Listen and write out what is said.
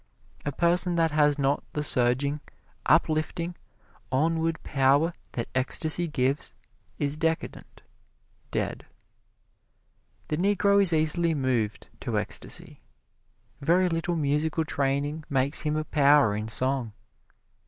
A people that has not the surging, uplifting, onward power that ecstasy gives, is decadent dead. The Negro is easily moved to ecstasy. Very little musical training makes him a power in song.